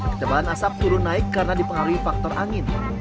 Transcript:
ketebalan asap turun naik karena dipengaruhi faktor angin